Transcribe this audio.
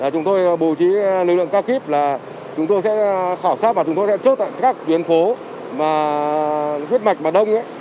chúng tôi bổ trí lực lượng cao kíp là chúng tôi sẽ khảo sát và chúng tôi sẽ chốt tại các tuyến phố huyết mạch và đông